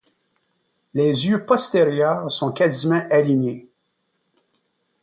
Les yeux postérieurs sont quasiment alignés.